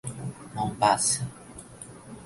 Mombaça